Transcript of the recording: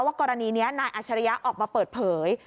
กรณีนี้นายอัชริยะออกมาเปิดเผย